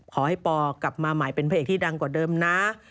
ขอให้ปอกลับมาใหม่เป็นพระเอกที่ดังกว่าเดิมนะ